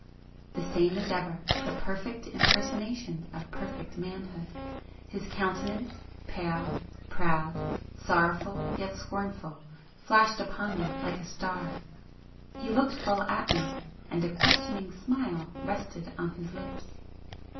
The same as ever,—the perfect impersonation of perfect manhood! ... his countenance, pale, proud, sorrowful yet scornful, flashed upon me like a star!——he looked full at me, and a questioning smile rested on his lips!